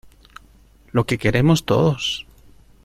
lo que queremos todos: